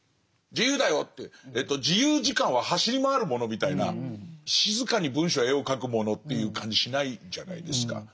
自由だよって自由時間は走り回るものみたいな静かに文章や絵をかくものっていう感じしないじゃないですか。